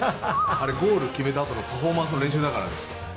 あれゴール決めたあとのパフォーマンスの練習だから。